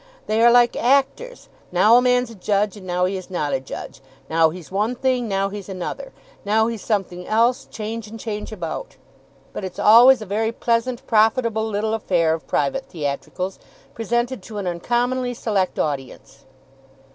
They are like actors: now a man's a judge, and now he is not a judge; now he's one thing, now he's another; now he's something else, change and change about; but it's always a very pleasant, profitable little affair of private theatricals, presented to an uncommonly select audience.